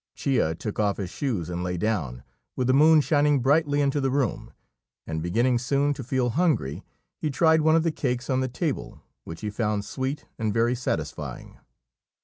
Chia took off his shoes and lay down, with the moon shining brightly into the room; and beginning soon to feel hungry, he tried one of the cakes on the table, which he found sweet and very satisfying.